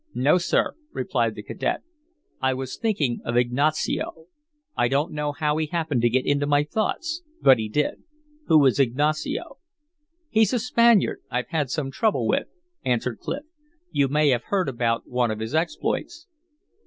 "No, sir," replied the cadet, "I was thinking of Ignacio. I don't know how he happened to get into my thoughts, but he did." "Who is Ignacio?" "He's a Spaniard I've had some trouble with," answered Clif. "You may have heard about one of his exploits."